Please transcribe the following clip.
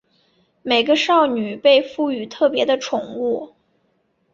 每个少女被赋与特别的宠物。